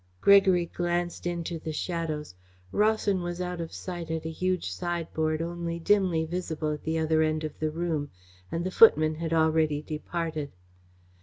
Gregory glanced into the shadows. Rawson was out of sight at a huge sideboard only dimly visible at the other end of the room, and the footmen had already departed.